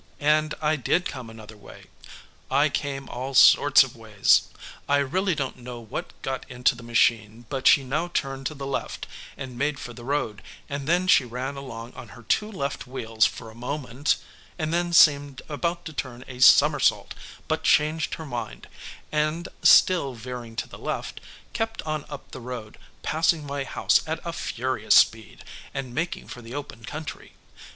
And I did come another way. I came all sorts of ways. I really don't know what got into the machine, but she now turned to the left and made for the road, and then she ran along on her two left wheels for a moment, and then seemed about to turn a somersault, but changed her mind, and, still veering to the left, kept on up the road, passing my house at a furious speed, and making for the open country.